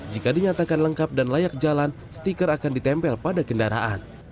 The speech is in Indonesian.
jika dinyatakan lengkap dan layak jalan stiker akan ditempel pada kendaraan